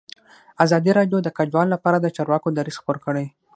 ازادي راډیو د کډوال لپاره د چارواکو دریځ خپور کړی.